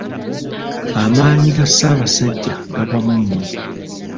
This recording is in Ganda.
Amaanyi ga Ssaabasajja gava mu mwe.